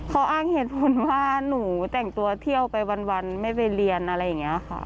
เขาอ้างเหตุผลว่าหนูแต่งตัวเที่ยวไปวันไม่ไปเรียนอะไรอย่างนี้ค่ะ